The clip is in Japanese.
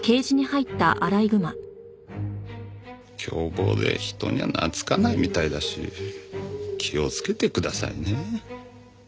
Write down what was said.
凶暴で人に懐かないみたいだし気をつけてくださいね。